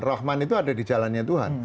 rahman itu ada di jalannya tuhan